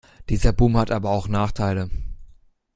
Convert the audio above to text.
Dieser Boom hat aber auch Nachteile.